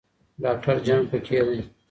ډاکټر جان پکې دی.